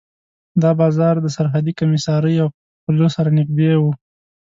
دا بازار د سرحدي کمېسارۍ او پله سره نږدې و.